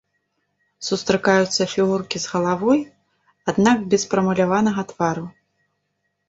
Сустракаюцца фігуркі з галавой, аднак без прамаляванага твару.